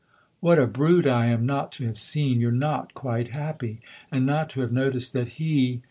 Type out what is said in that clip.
" What a brute I am not to have seen you're not quite happy, and not to have noticed that he